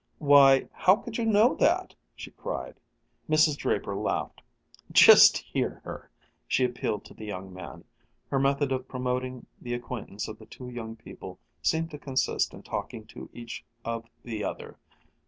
"Why, how could you know that!" she cried. Mrs. Draper laughed. "Just hear her!" she appealed to the young man. Her method of promoting the acquaintance of the two young people seemed to consist in talking to each of the other.